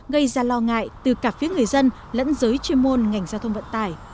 gây ra lo ngại từ cả phía người dân lẫn giới chuyên môn ngành giao thông vận tải